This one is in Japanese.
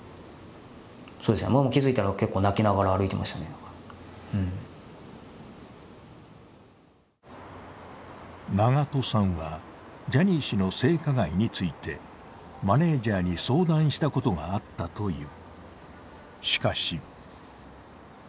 だが長渡さんはジャニー氏の性加害について、マネージャーに相談したことがあったという。